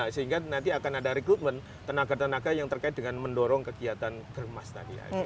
sehingga nanti akan ada rekrutmen tenaga tenaga yang terkait dengan mendorong kegiatan germas tadi